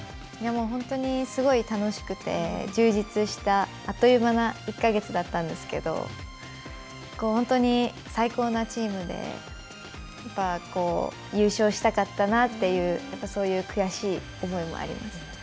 本当にすごい楽しくて充実した、あっという間な１か月だったんですけど本当に最高なチームで優勝したかったなという、そういう悔しい思いもあります。